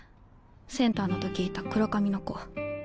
センターのときいた黒髪の子。